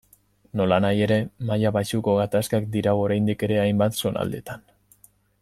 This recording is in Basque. Nolanahi ere, maila baxuko gatazkak dirau oraindik ere hainbat zonaldetan.